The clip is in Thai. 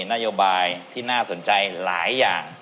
นโยบายที่น่าสนใจหลายอย่าง